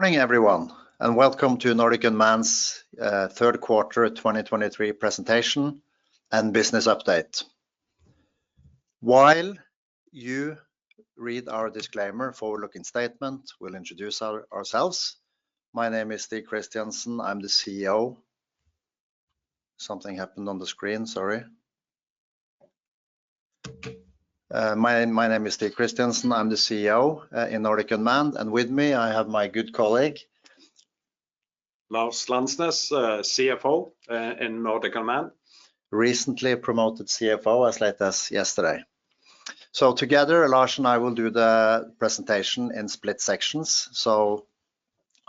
Morning everyone, and welcome to Nordic Unmanned's third quarter 2023 presentation and business update. While you read our disclaimer forward-looking statement, we'll introduce our, ourselves. My name is Stig Christiansen, I'm the CEO. Something happened on the screen, sorry. My, my name is Stig Christiansen, I'm the CEO in Nordic Unmanned, and with me, I have my good colleague. Lars Landsnes, CFO, in Nordic Unmanned. Recently promoted CFO as late as yesterday. So together, Lars and I will do the presentation in split sections. So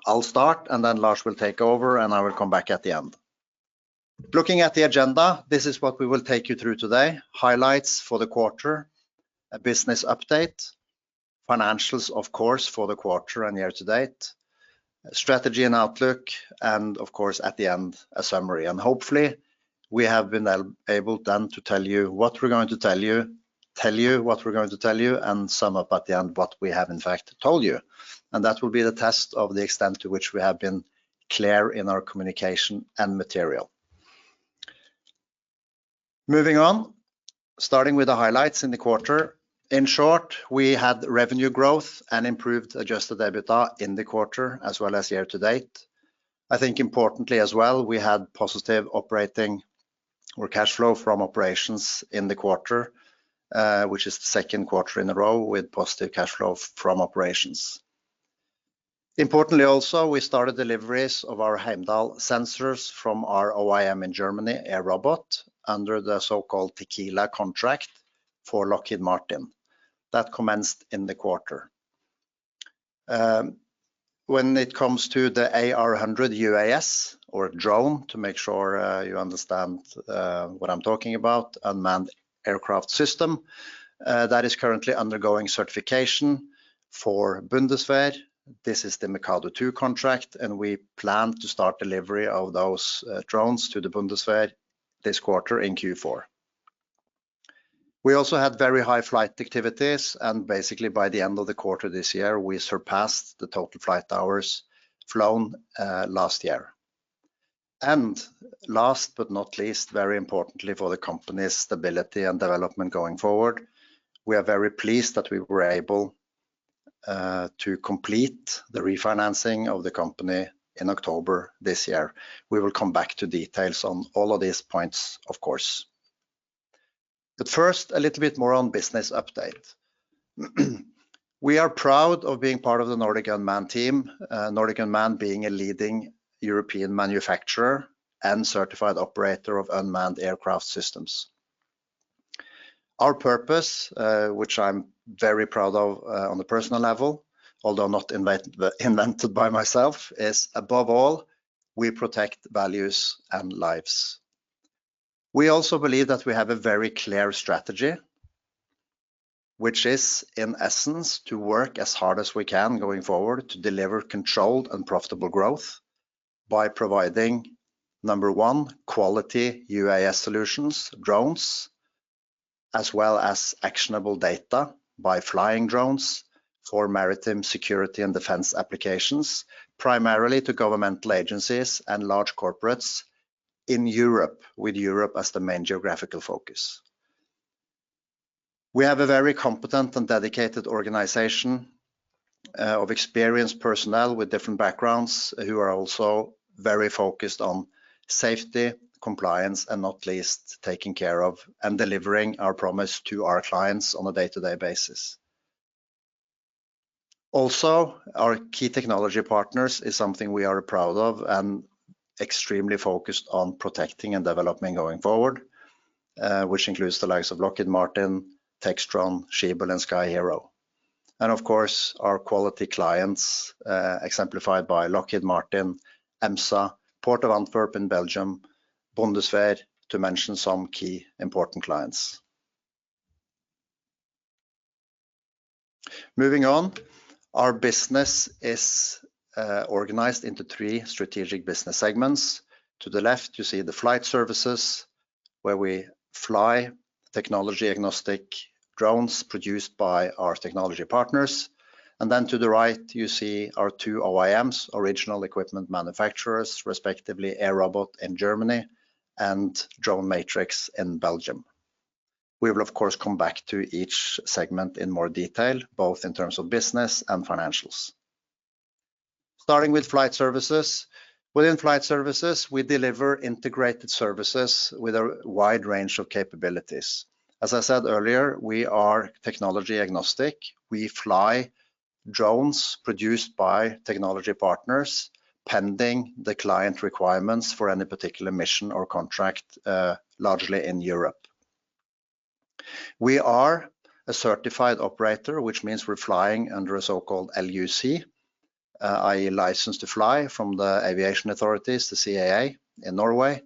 I'll start, and then Lars will take over, and I will come back at the end. Looking at the agenda, this is what we will take you through today. Highlights for the quarter, a business update, financials, of course, for the quarter and year to date, strategy and outlook, and of course, at the end, a summary. And hopefully, we have been able then to tell you what we're going to tell you - tell you what we're going to tell you, and sum up at the end what we have in fact told you. And that will be the test of the extent to which we have been clear in our communication and material. Moving on, starting with the highlights in the quarter. In short, we had revenue growth and improved Adjusted EBITDA in the quarter, as well as year to date. I think importantly as well, we had positive operating or cash flow from operations in the quarter, which is the second quarter in a row with positive cash flow from operations. Importantly also, we started deliveries of our Heimdal sensors from our OEM in Germany, AirRobot, under the so-called TIQUILA contract for Lockheed Martin. That commenced in the quarter. When it comes to the AR100 UAS or drone, to make sure, you understand, what I'm talking about, Unmanned Aircraft System, that is currently undergoing certification for Bundeswehr. This is the Mikado 2 contract, and we plan to start delivery of those, drones to the Bundeswehr this quarter in Q4. We also had very high flight activities, and basically by the end of the quarter this year, we surpassed the total flight hours flown last year. And last but not least, very importantly for the company's stability and development going forward, we are very pleased that we were able to complete the refinancing of the company in October this year. We will come back to details on all of these points, of course. But first, a little bit more on business update. We are proud of being part of the Nordic Unmanned team, Nordic Unmanned being a leading European manufacturer and certified operator of unmanned aircraft systems. Our purpose, which I'm very proud of on a personal level, although not invented, invented by myself, is above all, we protect values and lives. We also believe that we have a very clear strategy, which is, in essence, to work as hard as we can going forward to deliver controlled and profitable growth by providing, number one, quality UAS solutions, drones, as well as actionable data by flying drones for maritime security and defense applications, primarily to governmental agencies and large corporates in Europe, with Europe as the main geographical focus. We have a very competent and dedicated organization, of experienced personnel with different backgrounds, who are also very focused on safety, compliance, and not least, taking care of and delivering our promise to our clients on a day-to-day basis. Also, our key technology partners is something we are proud of and extremely focused on protecting and developing going forward, which includes the likes of Lockheed Martin, Textron, Schiebel, Sky-Hero. Of course, our quality clients, exemplified by Lockheed Martin, EMSA, Port of Antwerp in Belgium, Bundeswehr, to mention some key important clients. Moving on, our business is organized into three strategic business segments. To the left, you see the flight services, where we fly technology-agnostic drones produced by our technology partners. And then to the right, you see our two OEMs, Original Equipment Manufacturers, respectively, AirRobot in Germany and DroneMatrix in Belgium. We will, of course, come back to each segment in more detail, both in terms of business and financials. Starting with flight services. Within flight services, we deliver integrated services with a wide range of capabilities. As I said earlier, we are technology agnostic. We fly drones produced by technology partners, pending the client requirements for any particular mission or contract, largely in Europe. We are a certified operator, which means we're flying under a so-called LUC, i.e., license to fly from the aviation authorities, the CAA in Norway,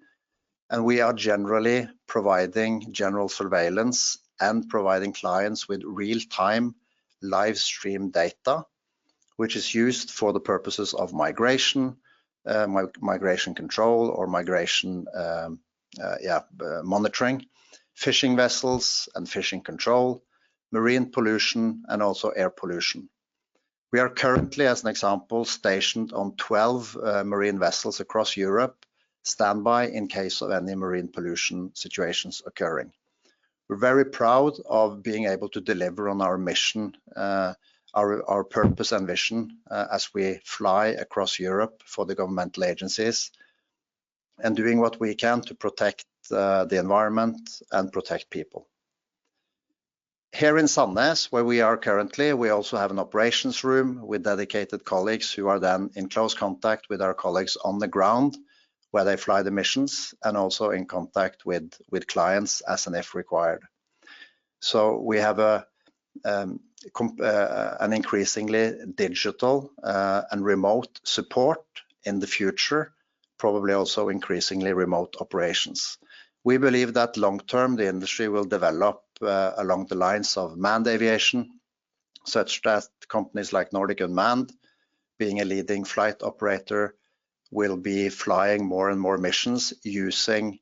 and we are generally providing general surveillance and providing clients with real-time live stream data, which is used for the purposes of migration control or migration monitoring, fishing vessels and fishing control. Marine pollution and also air pollution. We are currently, as an example, stationed on 12 marine vessels across Europe, standby in case of any marine pollution situations occurring. We're very proud of being able to deliver on our mission, our purpose and mission, as we fly across Europe for the governmental agencies, and doing what we can to protect the environment and protect people. Here in Sandnes, where we are currently, we also have an operations room with dedicated colleagues who are then in close contact with our colleagues on the ground, where they fly the missions, and also in contact with clients as and if required. So we have a, an increasingly digital, and remote support in the future, probably also increasingly remote operations. We believe that long-term, the industry will develop along the lines of manned aviation, such that companies like Nordic Unmanned, being a leading flight operator, will be flying more and more missions using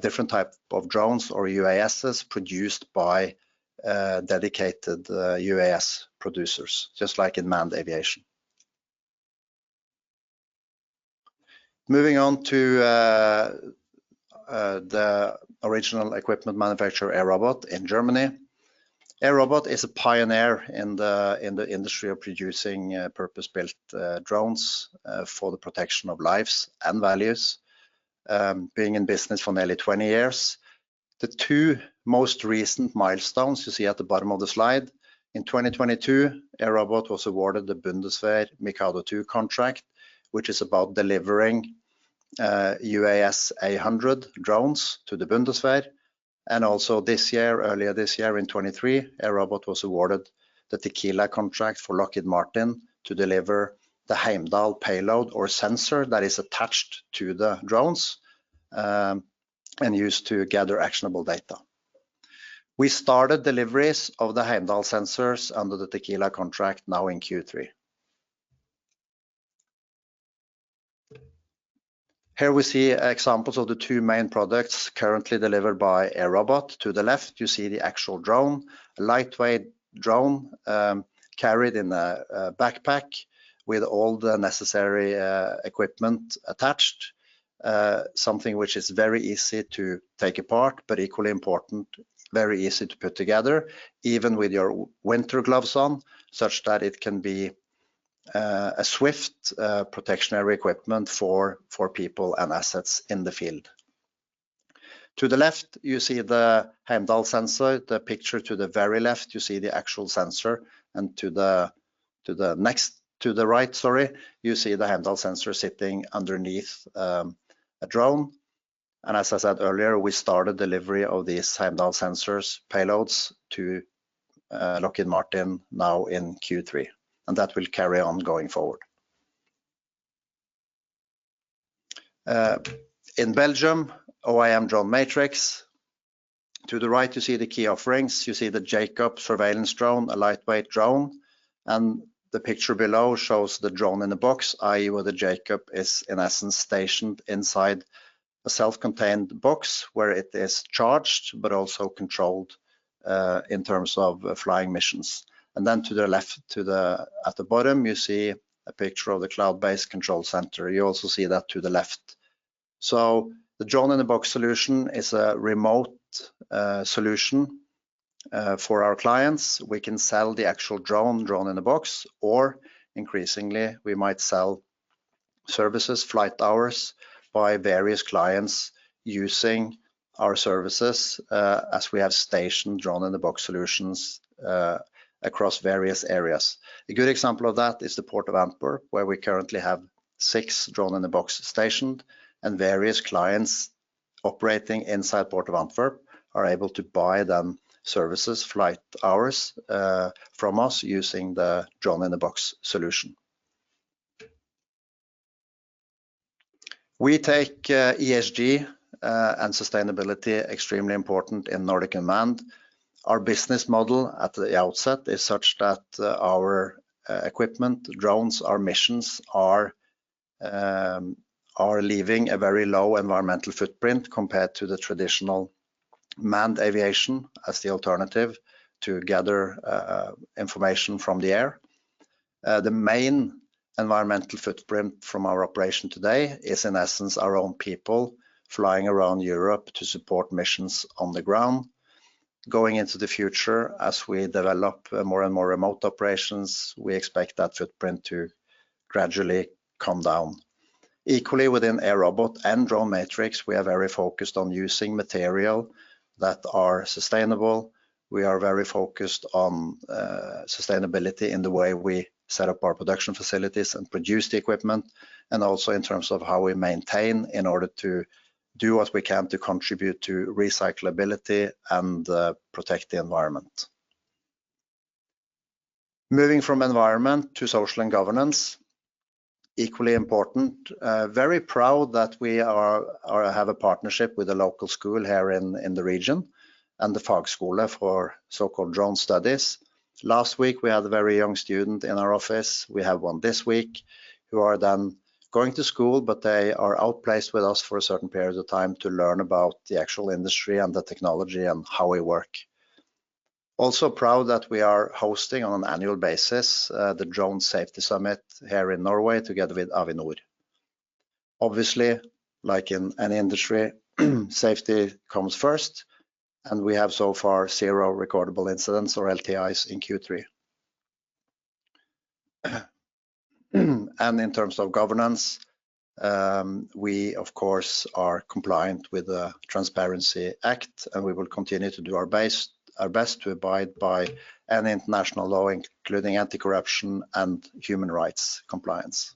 different type of drones or UAS's produced by dedicated UAS producers, just like in manned aviation. Moving on to the original equipment manufacturer, AirRobot, in Germany. AirRobot is a pioneer in the, in the industry of producing, purpose-built, drones, for the protection of lives and values, being in business for nearly 20 years. The two most recent milestones you see at the bottom of the slide. In 2022, AirRobot was awarded the Bundeswehr Mikado 2 contract, which is about delivering, UAS AR100 drones to the Bundeswehr. Also this year, earlier this year in 2023, AirRobot was awarded the TIQUILA contract for Lockheed Martin to deliver the Heimdal payload or sensor that is attached to the drones, and used to gather actionable data. We started deliveries of the Heimdal sensors under the TIQUILA contract now in Q3. Here we see examples of the two main products currently delivered by AirRobot. To the left, you see the actual drone, a lightweight drone, carried in a backpack with all the necessary equipment attached. Something which is very easy to take apart, but equally important, very easy to put together, even with your winter gloves on, such that it can be a swift protectionary equipment for people and assets in the field. To the left, you see the Heimdal sensor. The picture to the very left, you see the actual sensor, and to the next to the right, sorry, you see the Heimdal sensor sitting underneath a drone. And as I said earlier, we started delivery of these Heimdal sensors payloads to Lockheed Martin now in Q3, and that will carry on going forward. In Belgium, DroneMatrix. To the right, you see the key offerings. You see the JACOB surveillance drone, a lightweight drone, and the picture below shows the drone in a box, i.e., where the JACOB is, in essence, stationed inside a self-contained box where it is charged but also controlled in terms of flying missions. And then to the left, to the... at the bottom, you see a picture of the cloud-based control center. You also see that to the left. So the drone-in-a-box solution is a remote solution. For our clients, we can sell the actual drone, drone-in-a-box, or increasingly, we might sell services, flight hours, by various clients using our services, as we have stationed drone-in-a-box solutions across various areas. A good example of that is the Port of Antwerp, where we currently have six drone-in-a-box stationed, and various clients operating inside Port of Antwerp are able to buy them services, flight hours, from us using the drone-in-a-box solution. We take, ESG, and sustainability extremely important in Nordic Unmanned. Our business model at the outset is such that, our, equipment, drones, our missions are, are leaving a very low environmental footprint compared to the traditional manned aviation as the alternative to gather, information from the air. The main environmental footprint from our operation today is, in essence, our own people flying around Europe to support missions on the ground. Going into the future, as we develop more and more remote operations, we expect that footprint to gradually come down. Equally within AirRobot and DroneMatrix, we are very focused on using material that are sustainable. We are very focused on sustainability in the way we set up our production facilities and produce the equipment, and also in terms of how we maintain in order to do what we can to contribute to recyclability and protect the environment. Moving from environment to social and governance, equally important, very proud that we are, have a partnership with a local school here in the region, and the fagskole for so-called drone studies. Last week, we had a very young student in our office. We have one this week, who are then going to school, but they are out placed with us for a certain period of time to learn about the actual industry and the technology and how we work. Proud that we are hosting, on an annual basis, the Drone Safety Summit here in Norway, together with Avinor. Obviously, like in any industry, safety comes first, and we have so far zero recordable incidents or LTIs in Q3. In terms of governance, we, of course, are compliant with the Transparency Act, and we will continue to do our best to abide by any international law, including anti-corruption and human rights compliance.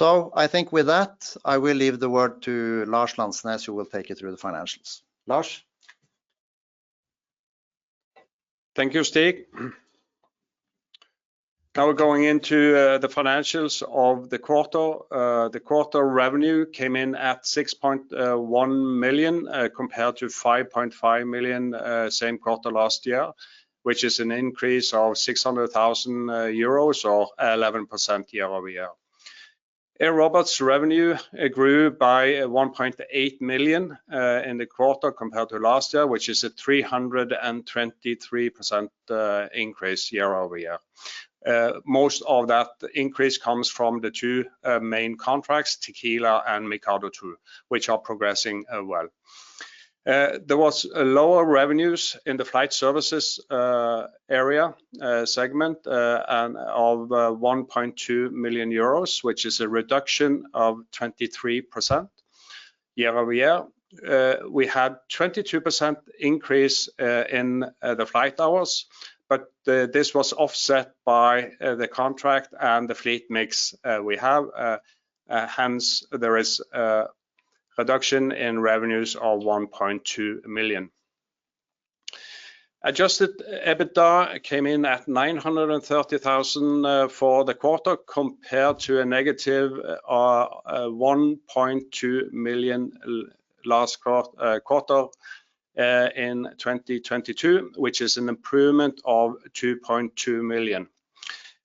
I think with that, I will leave the word to Lars Landsnes, who will take you through the financials. Lars? Thank you, Stig. Now we're going into the financials of the quarter. The quarter revenue came in at 6.1 million compared to 5.5 million same quarter last year, which is an increase of 600,000 euros or 11% year-over-year. AirRobot's revenue grew by 1.8 million in the quarter compared to last year, which is a 323% increase year-over-year. Most of that increase comes from the two main contracts, TIQUILA and Mikado 2, which are progressing well. There was lower revenues in the flight services area segment and of 1.2 million euros, which is a reduction of 23% year-over-year. We had a 22% increase in the flight hours, but this was offset by the contract and the fleet mix we have. Hence, there is a reduction in revenues of 1.2 million. Adjusted EBITDA came in at 930,000 for the quarter, compared to a negative 1.2 million last quarter in 2022, which is an improvement of 2.2 million.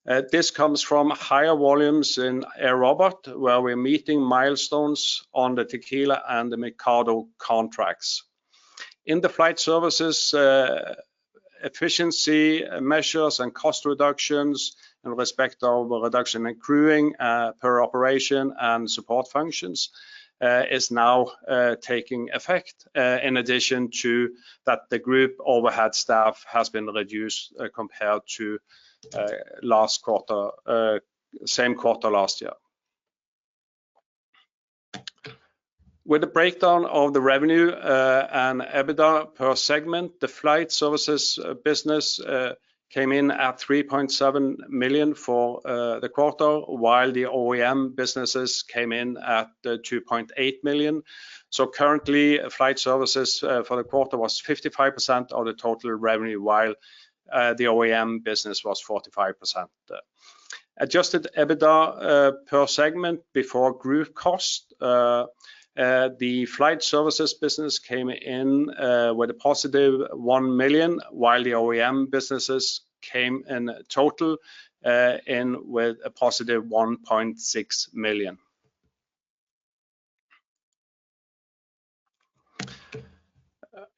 This comes from higher volumes in AirRobot, where we're meeting milestones on the TIQUILA and the Mikado contracts. In the flight services, efficiency measures and cost reductions in respect of reduction in crewing, per operation and support functions, is now taking effect. In addition to that, the group overhead staff has been reduced, compared to last quarter same quarter last year. With the breakdown of the revenue, and EBITDA per segment, the flight services business came in at 3.7 million for the quarter, while the OEM businesses came in at 2.8 million. So currently, flight services for the quarter was 55% of the total revenue, while the OEM business was 45%. Adjusted EBITDA per segment before group cost, the flight services business came in with a positive 1 million, while the OEM businesses came in total in with a positive 1.6 million.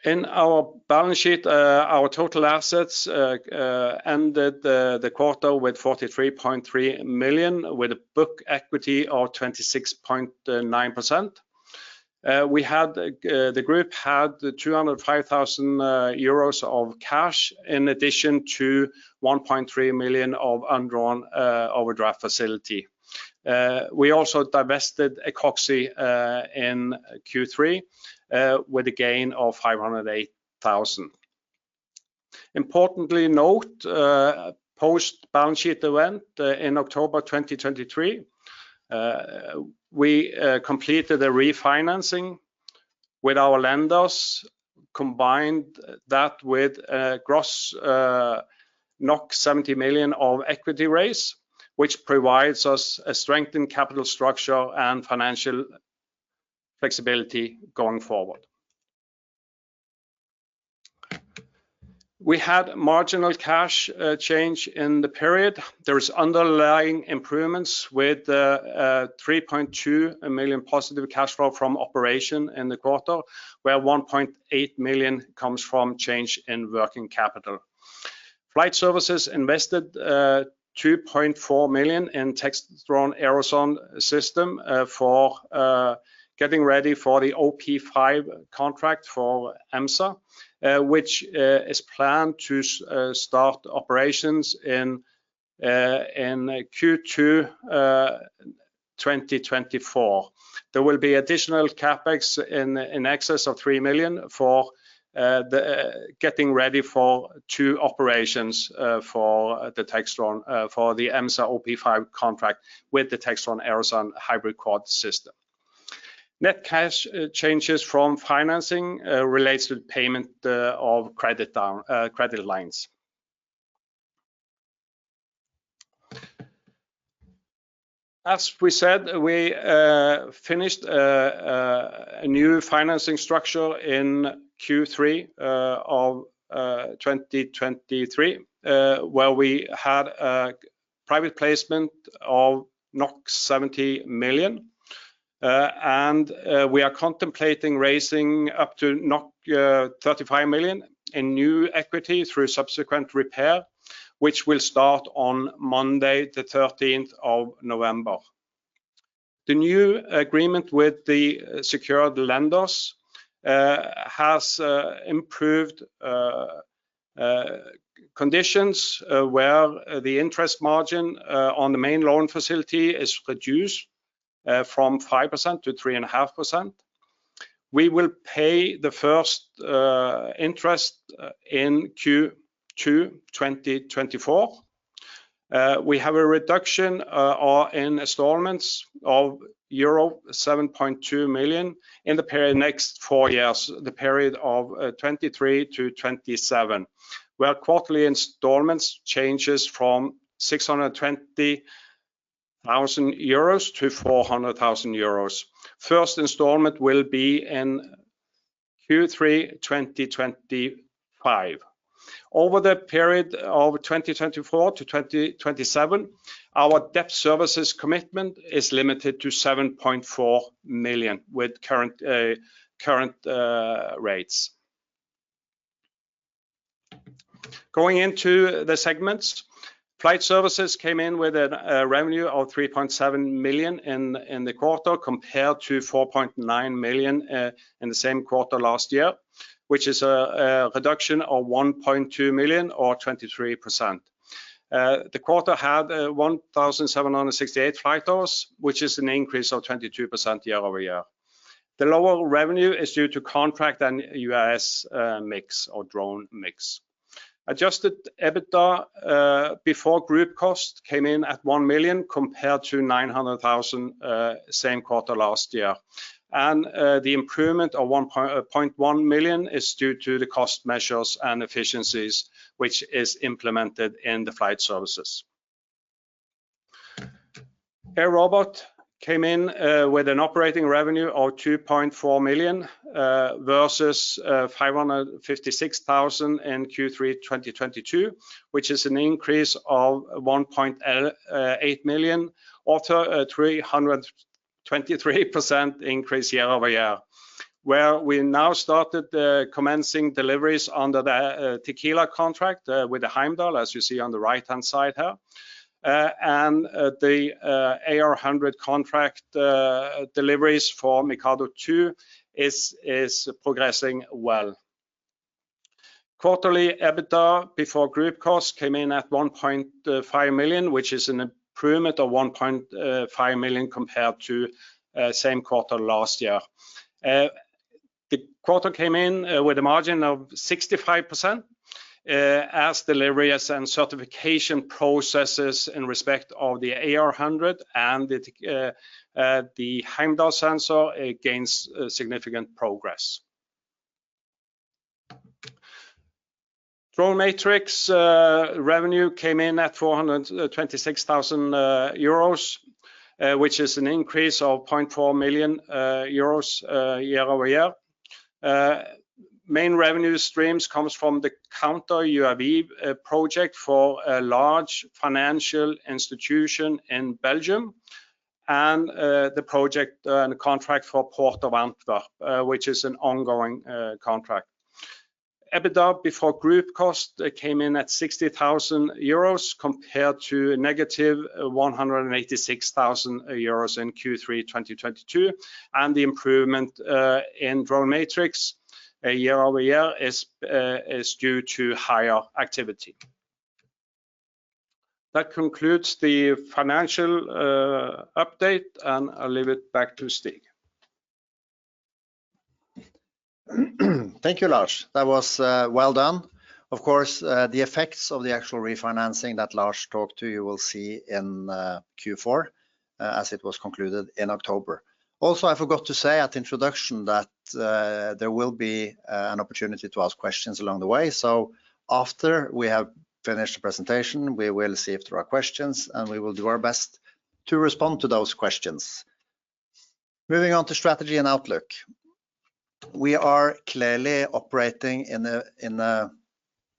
In our balance sheet, our total assets ended the quarter with 43.3 million, with a book equity of 26.9%. The group had 205,000 euros of cash, in addition to 1.3 million of undrawn overdraft facility. We also divested Ecoxy in Q3 with a gain of 508,000. Importantly note, post-balance sheet event, in October 2023, we completed a refinancing with our lenders, combined that with a gross 70 million of equity raise, which provides us a strengthened capital structure and financial flexibility going forward. We had marginal cash change in the period. There is underlying improvements with 3.2 million positive cash flow from operation in the quarter, where 1.8 million comes from change in working capital. Flight services invested 2.4 million in Textron Aerosonde system, for getting ready for the OP5 contract for EMSA, which is planned to start operations in Q2 2024. There will be additional CapEx in excess of 3 million for getting ready for two operations for the Textron for the EMSA OP5 contract with the Textron Aerosonde hybrid quad system. Net cash changes from financing relates to the payment of drawdown on credit lines. As we said, we finished a new financing structure in Q3 of 2023 where we had a private placement of 70 million. And we are contemplating raising up to 35 million in new equity through subsequent repair, which will start on Monday, the 13th of November. The new agreement with the secured lenders has improved conditions where the interest margin on the main loan facility is reduced from 5%-3.5%. We will pay the first interest in Q2 2024. We have a reduction in installments of euro 7.2 million in the period next four years, the period of 2023-2027, where quarterly installments changes from 620,000-400,000 euros. First installment will be in Q3 2025. Over the period of 2024-2027, our debt services commitment is limited to 7.4 million, with current rates. Going into the segments, flight services came in with a revenue of 3.7 million in the quarter, compared to 4.9 million in the same quarter last year, which is a reduction of 1.2 million or 23%. The quarter had 1,768 flight hours, which is an increase of 22% year-over-year. The lower revenue is due to contract and UAS mix or drone mix. Adjusted EBITDA before group cost came in at 1 million, compared to 900,000 same quarter last year. The improvement of 1.1 million is due to the cost measures and efficiencies, which is implemented in the flight services. AirRobot came in with an operating revenue of 2.4 million versus 556,000 in Q3 2022, which is an increase of 1.8 million, or a 323% increase year-over-year. Where we now started commencing deliveries under the TIQUILA contract with the Heimdal, as you see on the right-hand side here. And the AR100 contract deliveries for Mikado 2 is progressing well. Quarterly EBITDA, before group costs, came in at 1.5 million, which is an improvement of 1.5 million compared to same quarter last year. The quarter came in with a margin of 65%, as deliveries and certification processes in respect of the AR100 and the Tech the Heimdal sensor it gains significant progress. DroneMatrix revenue came in at 426,000 euros, which is an increase of 0.4 million euros year-over-year. Main revenue streams comes from the Counter UAV project for a large financial institution in Belgium, and the project and contract for Port of Antwerp, which is an ongoing contract. EBITDA, before group cost, came in at 60,000 euros, compared to a negative 186,000 euros in Q3 2022, and the improvement in DroneMatrix year-over-year is due to higher activity. That concludes the financial update, and I'll leave it back to Stig. Thank you, Lars. That was, well done. Of course, the effects of the actual refinancing that Lars talked to, you will see in, Q4, as it was concluded in October. Also, I forgot to say at the introduction that, there will be, an opportunity to ask questions along the way. So after we have finished the presentation, we will see if there are questions, and we will do our best to respond to those questions. Moving on to strategy and outlook. We are clearly operating in a, in a,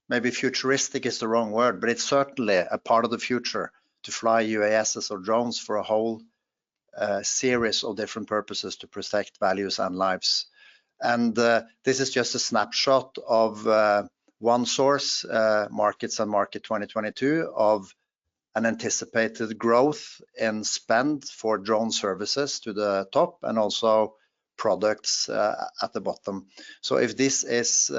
maybe futuristic is the wrong word, but it's certainly a part of the future to fly UAS or drones for a whole, series of different purposes to protect values and lives. This is just a snapshot of one source, MarketsandMarkets 2022, of an anticipated growth in spend for drone services to the top and also products at the bottom. So if this is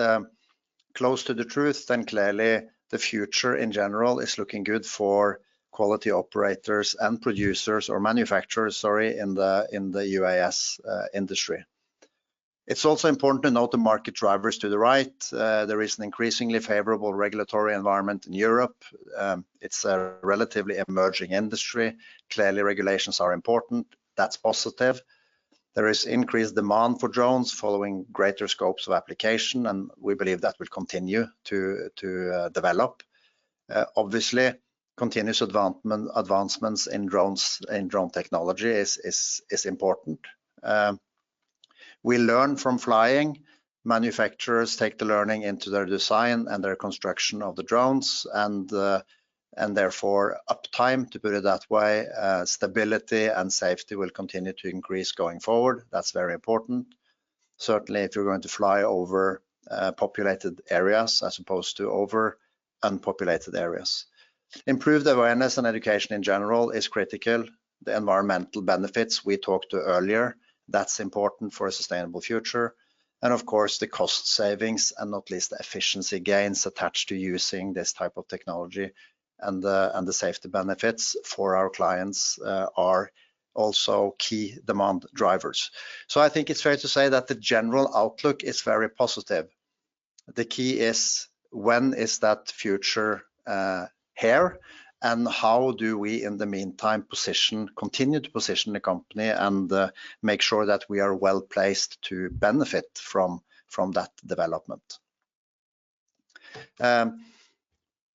close to the truth, then clearly the future in general is looking good for quality operators and producers or manufacturers, sorry, in the UAS industry. It's also important to note the market drivers to the right. There is an increasingly favorable regulatory environment in Europe. It's a relatively emerging industry. Clearly, regulations are important. That's positive. There is increased demand for drones following greater scopes of application, and we believe that will continue to develop. Obviously, continuous advancements in drones and drone technology is important. We learn from flying. Manufacturers take the learning into their design and their construction of the drones, and, and therefore, uptime, to put it that way, stability and safety will continue to increase going forward. That's very important. Certainly, if you're going to fly over populated areas as opposed to over unpopulated areas. Improved awareness and education in general is critical. The environmental benefits we talked earlier, that's important for a sustainable future, and of course, the cost savings, and not least, the efficiency gains attached to using this type of technology, and the, and the safety benefits for our clients, are also key demand drivers. So I think it's fair to say that the general outlook is very positive. The key is: when is that future here, and how do we, in the meantime, position, continue to position the company and make sure that we are well-placed to benefit from that development?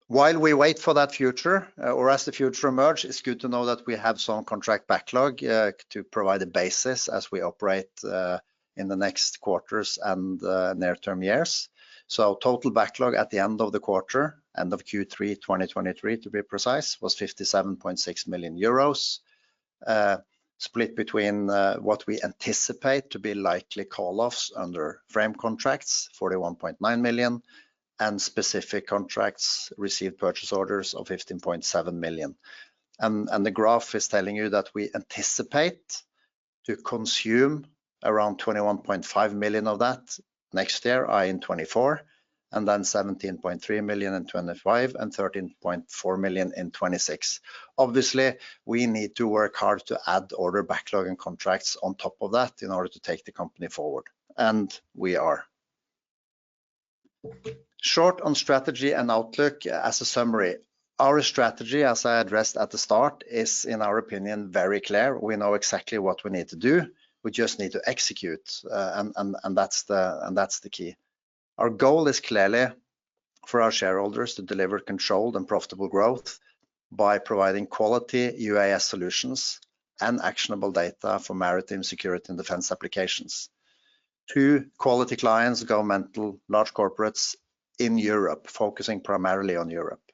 While we wait for that future, or as the future emerge, it's good to know that we have some contract backlog to provide a basis as we operate in the next quarters and near-term years. So total backlog at the end of the quarter, end of Q3, 2023, to be precise, was 57.6 million euros, split between what we anticipate to be likely call-offs under frame contracts, 41.9 million, and specific contracts received purchase orders of 15.7 million. The graph is telling you that we anticipate to consume around 21.5 million of that next year, i.e., in 2024, and then 17.3 million in 2025, and 13.4 million in 2026. Obviously, we need to work hard to add order backlog and contracts on top of that in order to take the company forward, and we are. Short on strategy and outlook as a summary, our strategy, as I addressed at the start, is, in our opinion, very clear. We know exactly what we need to do. We just need to execute, and that's the key. Our goal is clearly for our shareholders to deliver controlled and profitable growth by providing quality UAS solutions and actionable data for maritime security and defense applications to quality clients, governmental, large corporates in Europe, focusing primarily on Europe.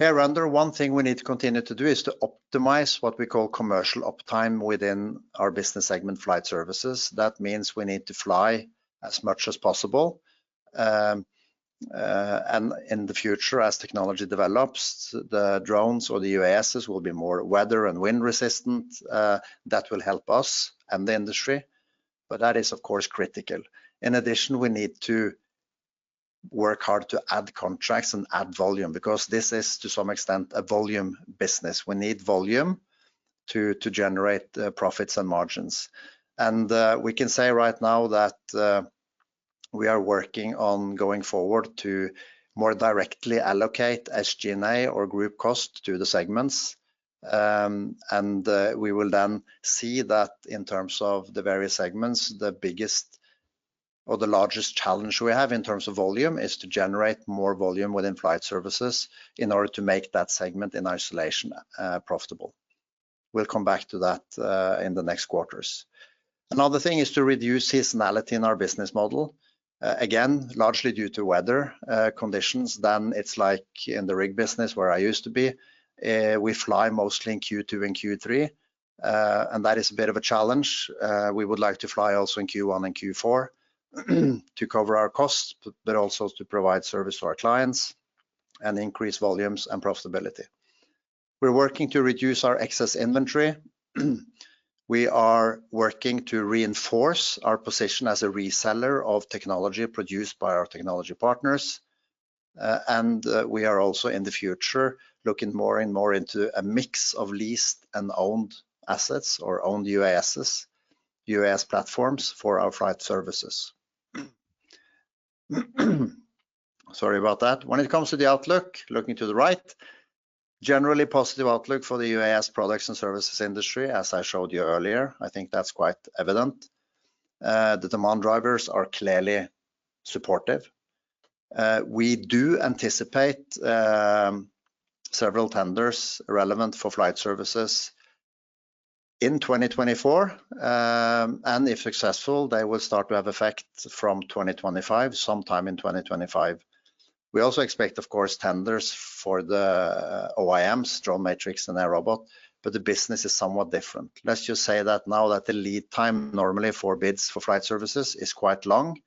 Hereunder, one thing we need to continue to do is to optimize what we call commercial uptime within our business segment, flight services. That means we need to fly as much as possible. And in the future, as technology develops, the drones or the UASs will be more weather and wind resistant. That will help us and the industry, but that is, of course, critical. In addition, we need to work hard to add contracts and add volume because this is, to some extent, a volume business. We need volume to generate profits and margins. We can say right now that we are working on going forward to more directly allocate SG&A or group cost to the segments. We will then see that in terms of the various segments, the biggest or the largest challenge we have in terms of volume is to generate more volume within flight services in order to make that segment in isolation profitable. We'll come back to that in the next quarters. Another thing is to reduce seasonality in our business model. Again, largely due to weather conditions, than it's like in the rig business where I used to be. We fly mostly in Q2 and Q3, and that is a bit of a challenge. We would like to fly also in Q1 and Q4, to cover our costs, but also to provide service to our clients and increase volumes and profitability. We're working to reduce our excess inventory. We are working to reinforce our position as a reseller of technology produced by our technology partners. We are also, in the future, looking more and more into a mix of leased and owned assets or owned UASs, UAS platforms for our flight services. Sorry about that. When it comes to the outlook, looking to the right, generally positive outlook for the UAS products and services industry, as I showed you earlier. I think that's quite evident. The demand drivers are clearly supportive. We do anticipate several tenders relevant for flight services in 2024, and if successful, they will start to have effect from 2025, sometime in 2025. We also expect, of course, tenders for the OEMs, DroneMatrix and AirRobot, but the business is somewhat different. Let's just say that now that the lead time normally for bids for flight services is quite long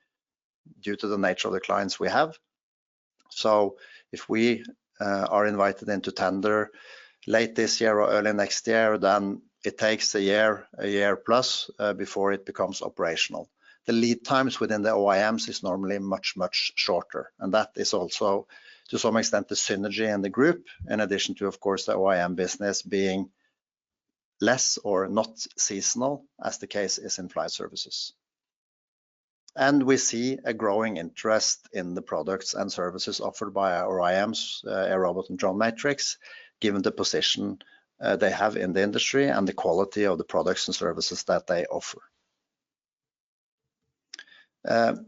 due to the nature of the clients we have. So if we are invited in to tender late this year or early next year, then it takes a year, a year plus, before it becomes operational. The lead times within the OEMs is normally much, much shorter, and that is also, to some extent, the synergy in the group, in addition to, of course, the OEM business being less or not seasonal, as the case is in flight services.... We see a growing interest in the products and services offered by our OEMs, AirRobot and DroneMatrix, given the position they have in the industry and the quality of the products and services that they offer.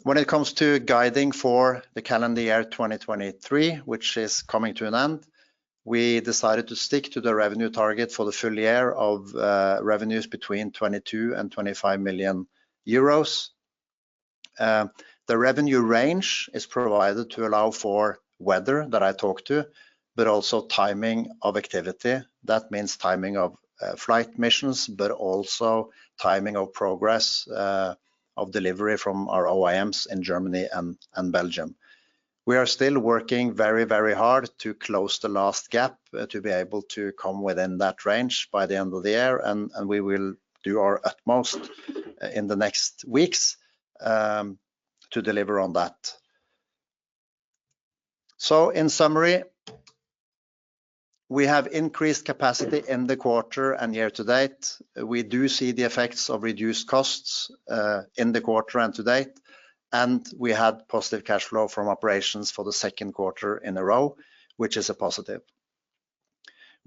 When it comes to guiding for the calendar year 2023, which is coming to an end, we decided to stick to the revenue target for the full year of revenues between 22 million and 25 million euros. The revenue range is provided to allow for weather, that I talked to, but also timing of activity. That means timing of flight missions, but also timing of progress of delivery from our OEMs in Germany and Belgium. We are still working very, very hard to close the last gap to be able to come within that range by the end of the year, and we will do our utmost in the next weeks to deliver on that. So in summary, we have increased capacity in the quarter and year to date. We do see the effects of reduced costs in the quarter and to date, and we had positive cash flow from operations for the second quarter in a row, which is a positive.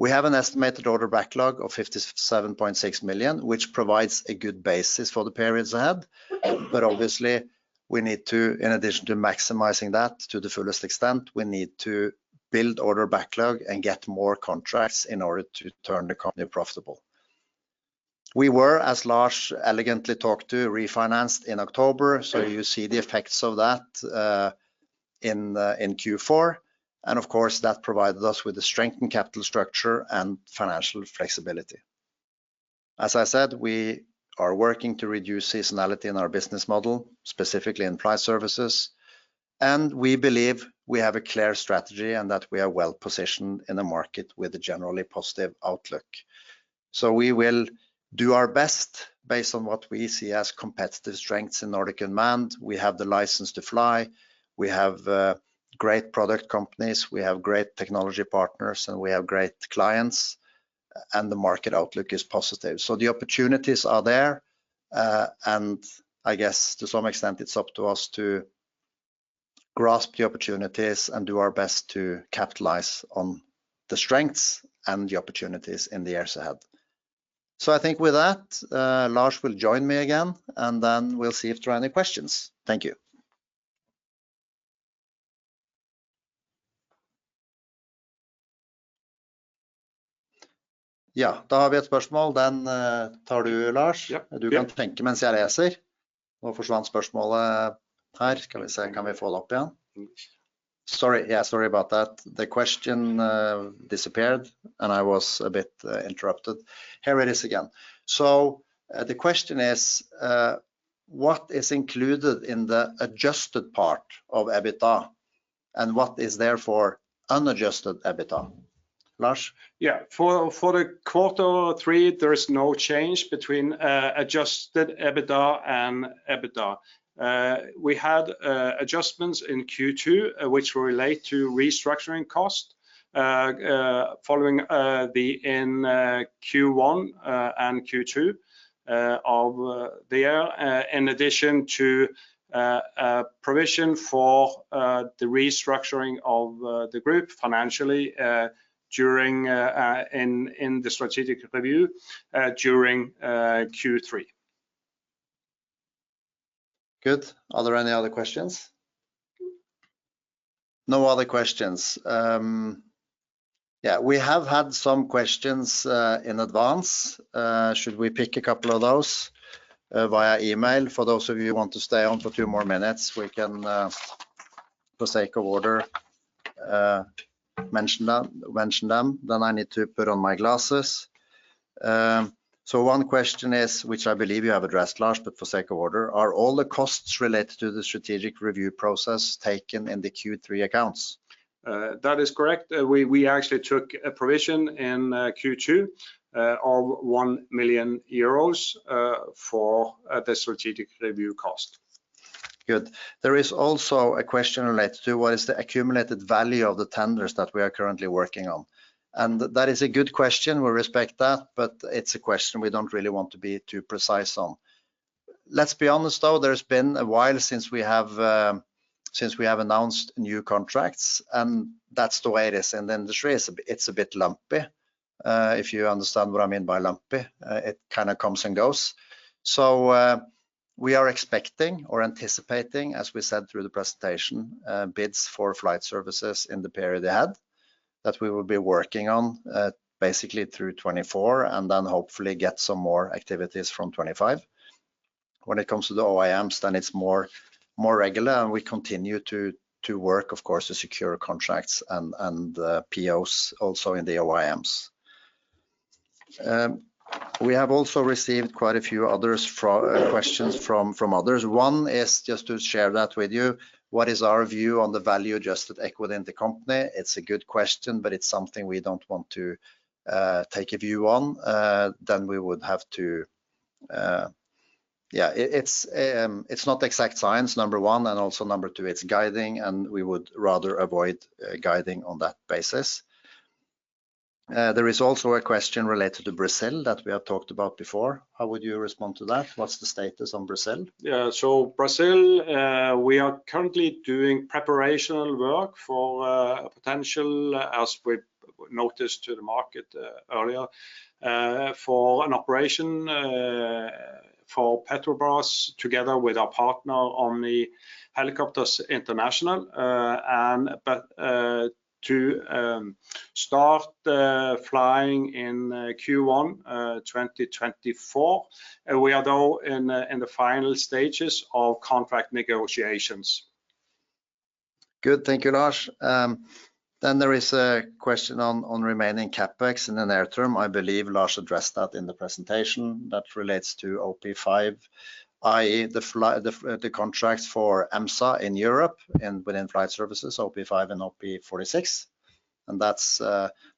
We have an estimated order backlog of 57.6 million, which provides a good basis for the periods ahead. But obviously, we need to... In addition to maximizing that to the fullest extent, we need to build order backlog and get more contracts in order to turn the company profitable. We were, as Lars elegantly talked to, refinanced in October, so you see the effects of that in Q4, and of course, that provides us with the strength and capital structure and financial flexibility. As I said, we are working to reduce seasonality in our business model, specifically in drone services, and we believe we have a clear strategy and that we are well-positioned in the market with a generally positive outlook. So we will do our best based on what we see as competitive strengths in Nordic Unmanned. We have the license to fly, we have great product companies, we have great technology partners, and we have great clients, and the market outlook is positive. So the opportunities are there, and I guess to some extent, it's up to us to grasp the opportunities and do our best to capitalize on the strengths and the opportunities in the years ahead. So I think with that, Lars will join me again, and then we'll see if there are any questions. Thank you. Yeah, that'll be a. Sorry. Yeah, sorry about that. The question disappeared, and I was a bit interrupted. Here it is again. So, the question is: What is included in the adjusted part of EBITDA, and what is therefore unadjusted EBITDA? Lars? Yeah. For the quarter three, there is no change between adjusted EBITDA and EBITDA. We had adjustments in Q2, which were related to restructuring costs following Q1 and Q2 of the year, in addition to provision for the restructuring of the group financially during the strategic review during Q3. Good. Are there any other questions? No other questions. Yeah, we have had some questions in advance. Should we pick a couple of those via email? For those of you who want to stay on for two more minutes, we can, for sake of order, mention them, mention them. Then I need to put on my glasses. So one question is, which I believe you have addressed, Lars, but for sake of order: Are all the costs related to the strategic review process taken in the Q3 accounts? That is correct. We actually took a provision in Q2 of 1 million euros for the strategic review cost. Good. There is also a question related to: What is the accumulated value of the tenders that we are currently working on? And that is a good question. We respect that, but it's a question we don't really want to be too precise on. Let's be honest, though, there's been a while since we have announced new contracts, and that's the way it is in the industry. It's a bit, it's a bit lumpy, if you understand what I mean by lumpy. It kind of comes and goes. So, we are expecting or anticipating, as we said through the presentation, bids for flight services in the period ahead, that we will be working on, basically through 2024, and then hopefully get some more activities from 2025. When it comes to the OEMs, then it's more, more regular, and we continue to work, of course, to secure contracts and POs also in the OEMs. We have also received quite a few other questions from others. One is, just to share that with you: What is our view on the value adjusted equity in the company? It's a good question, but it's something we don't want to take a view on. Then we would have to... Yeah, it, it's not exact science, number one, and also number two, it's guiding, and we would rather avoid guiding on that basis. There is also a question related to Brazil that we have talked about before. How would you respond to that? What's the status on Brazil? Yeah. So Brazil, we are currently doing preparational work for a potential, as we noticed to the market earlier, for an operation for Petrobras, together with our partner on the Helicopters International. To start flying in Q1 2024, we are, though, in the final stages of contract negotiations. Good. Thank you, Lars. Then there is a question on remaining CapEx in the near term. I believe Lars addressed that in the presentation. That relates to OP5, i.e., the contracts for EMSA in Europe and within flight services, OP5 and OP46, and that's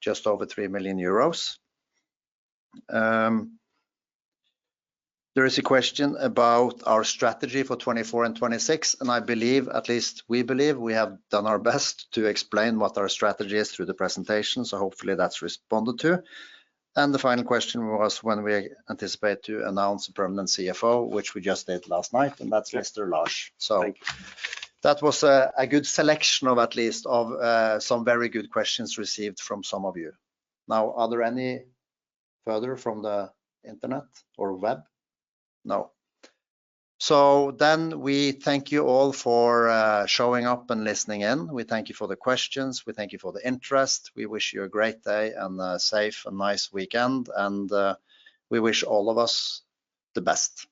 just over 3 million euros. There is a question about our strategy for 2024 and 2026, and I believe, at least we believe, we have done our best to explain what our strategy is through the presentation, so hopefully that's responded to. The final question was when we anticipate to announce a permanent CFO, which we just did last night, and that's Mr. Lars. Thank you. So that was a good selection of at least some very good questions received from some of you. Now, are there any further from the internet or web? No. So then we thank you all for showing up and listening in. We thank you for the questions. We thank you for the interest. We wish you a great day and a safe and nice weekend, and we wish all of us the best.